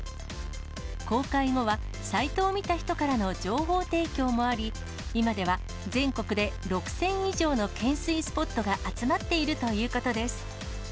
公開後は、サイトを見た人からの情報提供もあり、今では全国で６０００以上の懸垂スポットが集まっているということです。